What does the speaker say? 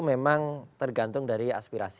memang tergantung dari aspirasi